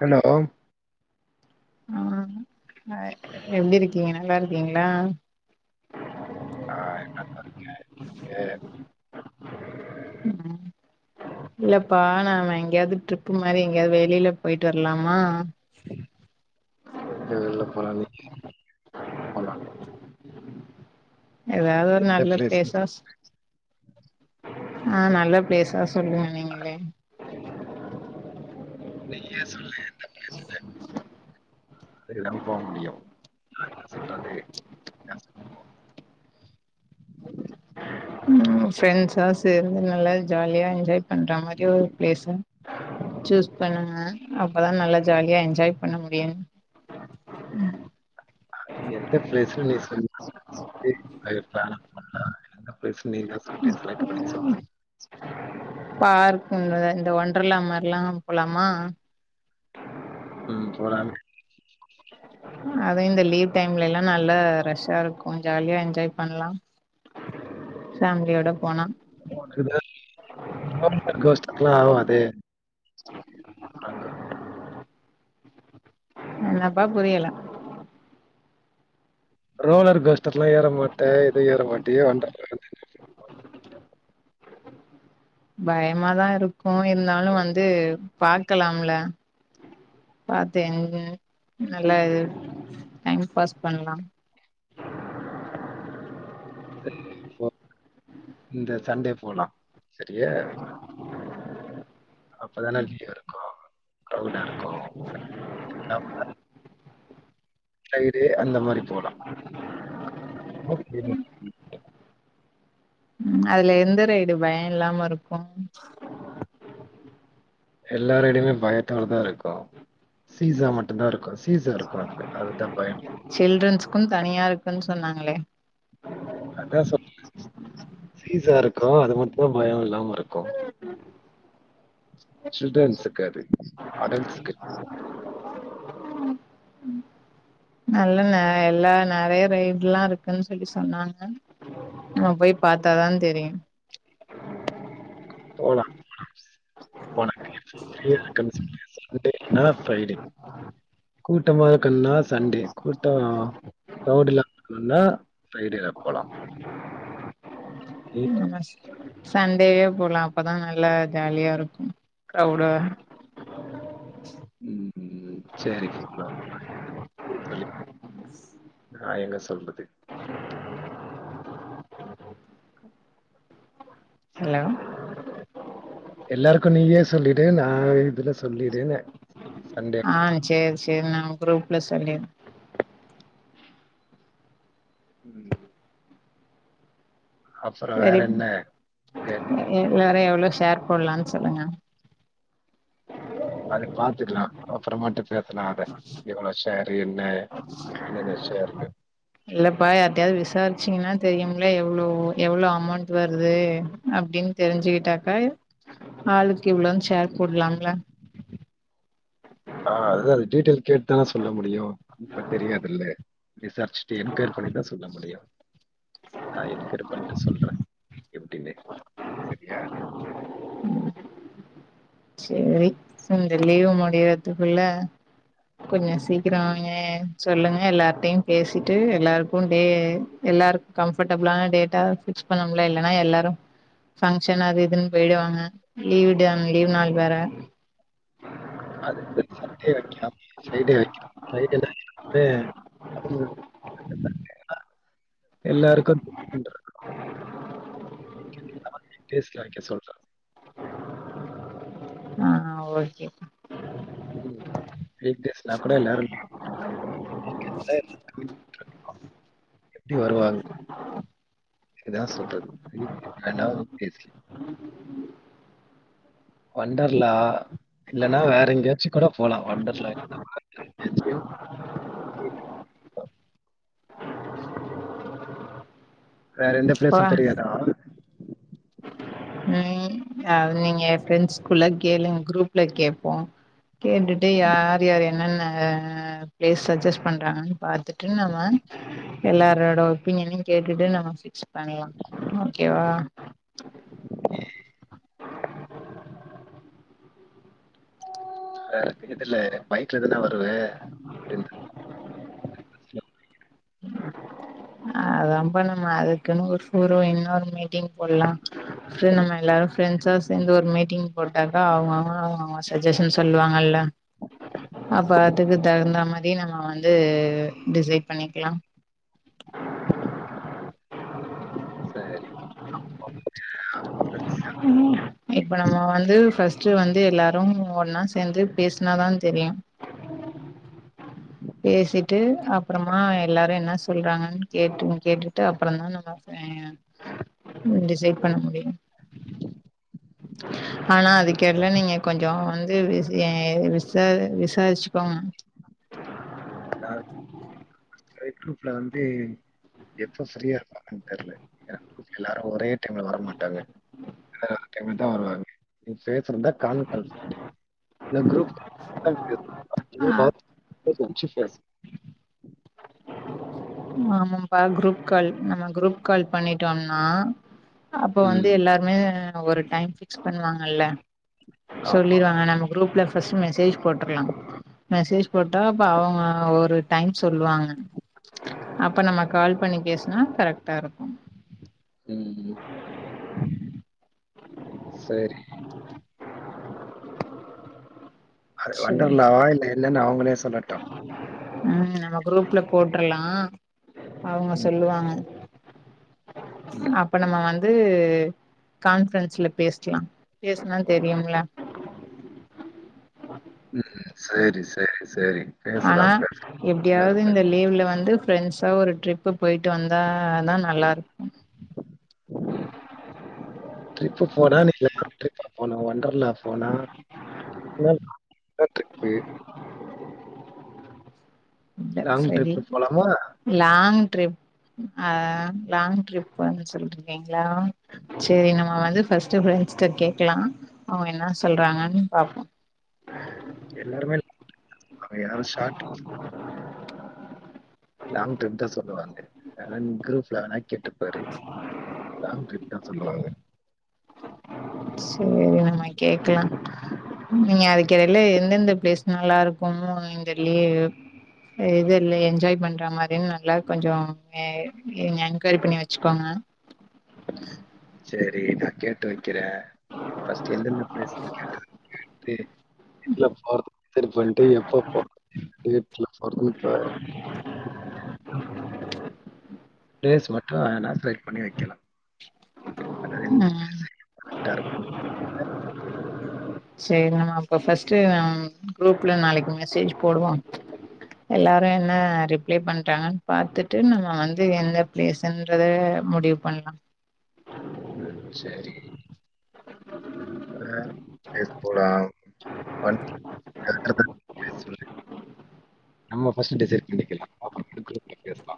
Hello ஆ நல் எப்டி இருக்கீங்க நல்லா இருக்கீங்ளா ஆ என்னதா இருக்க எங் இருக்க இல்லப்பா நாம எங்கேயாது ட்ரிப்பு மாரி எங்கேயாது வெளில போயிட்டு வரலாமா எங்க வெளில போல நீ போலானு ஏதாது ஒரு நல்ல பிளேஸ்ன்னு சொல்லு. பிளேசாஸ் ஆ நல்ல பிளேசாஸ் சொல்லுங்க நீங்களே நீயே சொல்லு எந்த பிலேசுனு எல்லா போ முடியூ நா என்ன சொல்றது [unintelligible] ம் ஃப்ரெண்ட்ஸா சேர்ந்து நல்லா ஜாலியா என்ஜாய் பண்ற மாரி ஒரு பிளேஸ்ஸு சூஸ் பண்ணுங்க அப்பதா நல்லா ஜாலியா என்ஜாய் பண்ண முடியு ம் அது எந்த ப்ளேஸ்னு நீ சொல்லூ [unintelligible] [unintelligible] எந்த பிளேஸ்னு நீ தா [inaudible] செலக்ட் பண்ணி சொல்லு பார்க் உம் த இந்த ஒன்டர்ல்லா மார்லாம் போலாமா ம் போலாமே அதூ இந்த லீவ் டைம்லெல்லா நல்லா ரஷ்ஷா இருக்கூ ஜாலியா என்ஜாய் பண்லா ஃபேமிலியோட போனா [unintelligible] [unintelligible] அங்க வன்ட்டு என்னப்பா புரியல ரோலர் கோஸ்டர் எல்லா ஏற மாட்ட எதுவு ஏற மாட்டியே வொண்டர்லா [unintelligible] பயமாதா இருக்கூ இருந்தாலூ வந்து பாக்கலாம்ல பாத்து என் ஹும் நல்லா டைம் பாஸ் பண்லா [unintelligible] இந்த சண்டே போலா செரியா அப்பதானே வியு இருக்கூ கிராவுடா இருக்கூ [unintelligible] ஃபரைடே அந்த மாரி போலா உம் அதுல எந்த ரைடு பய இல்லாம இருக்கும் எல்லா ரய்டுமே பயத்தோடதா இருக்கூ ம் அதுல. அதுதான் பயம். சில்ட்ரன்ஸ்க்கூ தனியா இருக்குன் சொன்னாங்களே அதா சொன்ன [unintelligible] சீசா இருக் க்றோ அது மட்டுந்தா பயோ இல்லாம இருக்கு சில்ட்ரன்ஸ் க்கு அது அடல்ஸ்க்கு ம் நல்ல நா எல்லா நெறையா ரைட்லா இருக்குன் சொல்லி சொன்னாங்க நம் போய் பாத்தாதா தெரியு போலா போலா சன்டே இல்லனா ஃபிரைடே கூட்டமா இருக்குன்னா சண்டே கூட்ட க்ரவ்டில்லாம இருக்கணுன்னா ஃபிரைடேல போலா ம் சண்டேயே போலா அப்பதா நல்லா ஜாலியா இருக்கு க்ரவ்டா உம் சேரி போலா நா எங்க ச சொல்றது க ஹலோ எல்லாருக்கு நீயே சொல்லிடு நா இதுல சொல்லிடுன்னு சண்டே ஆ சேர் சேர் நா குரூப்ல சொல்லிற ம் அப்புறோ வேற தெரியு என்ன இங்க இல்ல அப்ற எவ்ள ஷேர் போட்லான் சொல்லுங்க அது பாத்துக்லா அப்பற மாட்டு நேத்து நா அத எவ்ள ஷேரு என்ன என்னென்ன ஷேர்ன்னு இல்லப்பா யார்ட்டயாது விசாரிச்சிங்னா தெரியும்ல எவ்ளோ எவ்ளோ அமௌண்ட் வருது அப்டின் தெரிஞ்சுகிட்டாக்கா ஆளுக்கு இவ்வளோன் ஷேர் போட்லாம்ல ஆ அதுதா அது டீட்டெயில் கேட்டுதான சொல்ல முடியு இப்ப தெரியாதுல்ல விசாரிச்சுட்டு என்கொய்ர் பண்ணிதா சொல்ல முடியு நா என்கொய்ரி பண்ட்டு சொல்றே எப்டின்னு செரியா சேரி இந்த லீவு முடியறதுக்குள்ள கொஞ்ச ம் சீக்கிரமே சொல்லுங்க எல்லார்ட்டயு பேசிட்டு எல்லாருக்கு டே எல்லாருக்கு கம்ஃபர்டபுளான டேட்டா ஃபிக்ஸ் பண்ணம்ல இல்லனா எல்லாரு ஃபங்க்ஷன் அது இதுன் போயிடுவாங்க லீவ் டே அ லீவ் நாள் வேற அதுக்குதா சன்டே ஃப்ரைடே ஃப்ரைடேல வந்து [unintelligible] எல்லாருக்கு ப்ளேஸ்ல வெக்க சொல்ற ஆ ஓகே வீக் டேஸ்னா கூட எல்லாரு லீவ் போட்டுக்குவாங்க வீக் என்ட்ல [inaudible] எப்டி வருவாங்க அதுக்குதா சொல்றது லீவ் டேஸ் வேனா வீக் டேஸ்ல வொண்டர்லா இல்லன்னா வேற எங்கயாச்சு கூட போலா ஒண்டர்லா இல்லனா வேற எங்கயாச்சியு வேற எந்த பிளேஸு தெரியாதா உம் அது நீங்க ஃபிரண்ட்ஸ் குள்ள கேளுங்க குரூப்ல கேட்போ கேட்டுட்டு ம். யார் யார் எ என்னென்ன பிளேஸ் சட்ஜஸ்ட் பண்றாங்கன்னு பாத்துட்டு நம்ம எல்லாரோட ஒப்பினியன்னையு கேட்டுட்டு நம்ம ஃபிக்ஸ் பண்ணலா ஓகேவா ஆ [unintelligible] துல்ல பைக்ல தா நா வர் ருவே [unintelligible] [unintelligible] அதாம்பா நம்ம அதுக்குன்னு ஒரு [unintelligible] இன்னொரு மீட்டிங் போடலா சோ நம்ம எல்லாரு ஃபிரண்ட்ஸா சேர்ந்து ஒரு மீட்டிங் போட்டா தா அவுங்கவுங்க அவுங்கவுங்க சஜஷன் சொல்லுவாங்கல்ல அப்ப அதுக்கு தகுந்த மாரி நம்ம வந்து டிசைட் பண்ணிக்லா சரி இப்ப நம்ம வந்து ஃபர்ஸ்ட் டு வந்து எல்லாரும் ஒன்னா சேர்ந்து பேசுனா தா தெரியு பேசிட்டு அப்புறமா எல்லாரு என்ன சொல்றாங்கன் கேட்டு கேட்டுட்டு அப்புறோ தா நம்ம ஏ டிசைட் பண்ண முடியு ஆனா அதுக்கெல்லா நீங்க கொஞ்சோ [unintelligible] விசிய விசாரி விசாரிச்சுக்கோங்க தார் ட்ரை குரூப்ல வந்து எப்போ ஃப்ரீயா இருப்பாங்கன்னு தெர்ல குரூப் எல்லாரு ஒரே டைம்ல வரமாட்டாங்க டைம் இருந்தா வருவாங்க [unintelligible] [inaudible] [inaudible] ஆ ஃபர்ஸ்ட் வஞ்சி ஃபர்ஸ்ட் ஆமாம்பா குரூப் கால் நம்ம குரூப் கால் பண்ணிட்டோன்னா அப்போ வந்து ம். எல்லாருமே ஒரு டைம் ஃப்ரீ ஸ் பண்ணுவாங்கள ஆமா. சொல்லிடுவாங்க நம்ம குரூப்ல் ஃபர்ஸ்ட்ட மெசேஜ் போட்டுர்லா மெசேஜ் போட்டால் அப்போ அவுங்க ஒரு டைம் சொல்லுவாங்க அப்ப நம்ம கால் பண்ணி பேசினா கரெக்டா இருக்கும் உம் உம் சரி அ சேரி வண்டர்லாவா இல்ல என்னன்னு அவுங்களே சொல்லட்டு உம் நம்ம குரூப்ல போட்டர்லா அவுங்க ம், சொல்லுவாங்க ம், அப்ப நம்ம வந் து கான்ஃபரன்ஸ்ல பேஸ்லா பேஸ்னா தெரியுல்ல உம் சரி சரி சரி. ஆனா பேசலாம், பேசலாம். இன்னொரு எப்டியாவது நாள். இந்த லீவ்ல வந்து ஃப்ரெண்ட்ஸா ஒரு ட்ரிப்பு போயிட்டு வந்தாதா நல்லாருக்கு ட்ரிப்பு போனா [inaudible] போனா வண்டர்லா போனா [inaudible] [unintelligible] லாங் ட்ரிப்பு போலாமா? [unintelligible] லாங் ட்ரிப் ஆஹ லாங் ட்ரிப்ன்னு சொல்றக்கேன் லாங் சரி நம்ம வந்து ஃபர்ஸ்ட் கேட்கலா அவங்க என்ன சொல்றாங்கன்னு பாாரப்போ எல்லாருமே [unintelligible] ஷா்ட் லாங் ட்ரெப் தா சொல்லுவாங்க அ குப் வேனா கெட்டுப்பாரு லாங் ட்ரிப் தா சொல்லுவாங்க சரி நம்ம கேக்கலா நீங்க அதுக்கிடையில எந்தெந்த பிளேஸ் நல்லா இருக்கும்மந் தெர்லியே இது இல்ல என்ஜாய் பண்ற மாதி நல்லா கொஞ்சோ ஆஹ் என்கரி பண்ணி வச்சுக்கோங்க சரி நா கேட்டு வைக்கிற பஸ்ட்டு எந்தெந்த பிளேஸ்ல கேட்டு இ போறது சரி பண்ட்டு எப்ப போ [unintelligible] [unintelligible] னா ட்ரை பண்ணி வைக்கலா ம் [inaudible] [unintelligible] சரி நம்ம அப்ப ஃபர்ஸ்ட்டு குரூப்ல நாளைக்கு மெசேஜ் போடுவோம் எல்லாரு என்ன ரிப்ளை பண்றாங்கன்னு பாாரத்துட்டு நம்ம வந்து எந்த பிளேஸ்ன்றத முடிவு பண்ணலா உம் சரி [unintelligible] நம்ம ஃபர்ஸ்ட் டிசைட் பண்ணிக்கல அப்ரோ [unintelligible] குரூப்ல பேசல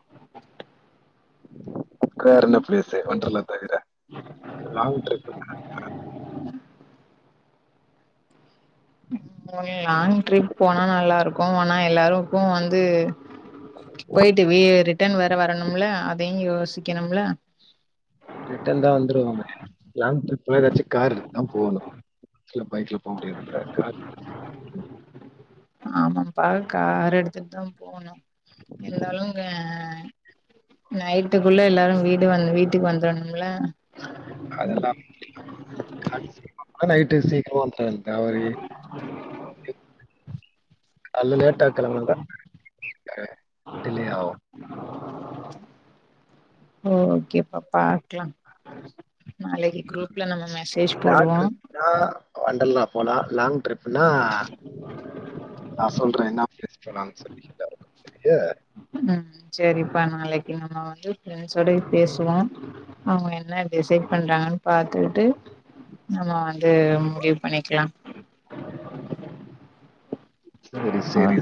வேற என்ன பிளேஸ ஒன்றர்ல தட லாங் டப் லாங் ட்ரிப் போனா நல்லா இருக் க்கு ஆனா எல்லாருக்கு வந்து போயிட்டு வ ரிட்டர்ன் வேற வரணும்ல அதையு யோசிக்கணும்ல ரிட்டன் தா வந்துருவோமே லாங் டிரிப் வெறவெச்சி கார் எடுதா போகணு [unintelligible] ஆமாப்பா கார் எடுத்துட் தா போகணு இருந்தாலும்ங்க நைட்டுக்குள்ள எல்லாரு வீடு வந்து வீட்டுக்கு வந்துருணமல அதெல்லா [unintelligible] ட்டு சீக்ரோவன்துடாங் தாவரி அல்ல லேட்டா கெளம்பனாதா ஆஹ் டிலே ஆகு ஓக்கேப்பா பாக்லா. நாளைக்கு குரூப்ல ம் நம்ம மெசேஜ் சாட் போடுவோ இருக்கா வண்டல்லா போலா லாங் ட்ரிப்னா [unintelligible] போலானு சொல்லீருக்காரு [unintelligible] ம் செர்ரிப்பா நாளைக்கு நம்ம வந்து பிரெண்ட்ஸோடயு பேசுவோ. அவங்க என்ன டிசைட் பண்றாங்கன்னு பாத்துபுட்டு நம்ம வந்து முடிவு பண்ணிக்லா செரி செரித் செரி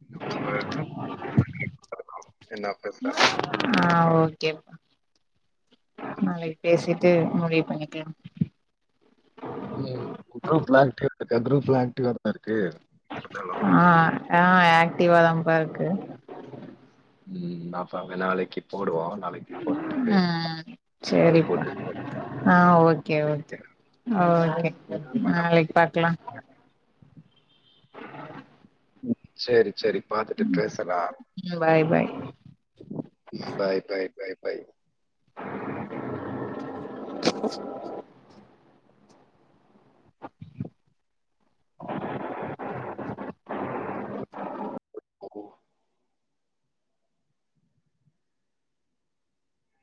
[unintelligible] என்ன பேசுறாக ஆ ஓகேப்பா நாளைக் பேசிட்டு முடிவு பண்ணிக்லா. உம் குரூப்ல அட்டீவ் இருக்கு. குரூப்ல ஆக்டிவா இருப்பாரு. ஆஹ் ஆஹ் ஆக்டிவாதான்ப்பா இருக்கு. ம் பாப்பாங்க நாளைக்கு போடுவோ. ஆஹ் கால் செர்ரிப்பா. போட்டு பேசலாம். ஆஹ் ஓகே சரி ஓகே ஓகே என்ன பண்ண நாளைக் மாதிரி? பாக்லா. சேர்ரி சேர்ரி பாத்துட்டு பேசலா ம் bye bye bye bye by